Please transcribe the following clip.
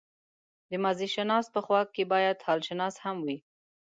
د ماضيشناس په خوا کې بايد حالشناس هم وي.